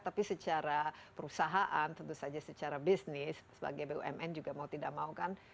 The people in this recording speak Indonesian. tapi secara perusahaan tentu saja secara bisnis sebagai bumn juga mau tidak mau kan